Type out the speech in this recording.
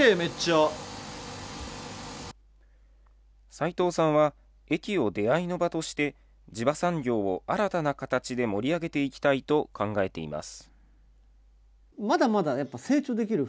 齋藤さんは、駅を出会いの場として、地場産業を新たな形で盛り上げていきたいと考えています。